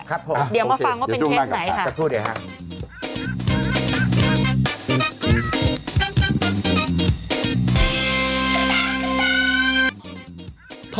ครับผมโอเคเดี๋ยวต้องมาก่อนครับจะพูดเดี๋ยวค่ะเดี๋ยวมาฟังว่าเป็นแพทย์ไหนค่ะ